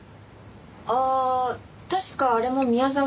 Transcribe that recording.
ああ確かあれも宮沢賢治の。